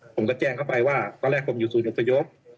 ผมก็แจ้งเขาไปว่าตอนแรกผมอยู่ศูนอพยพ